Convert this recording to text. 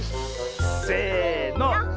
せの。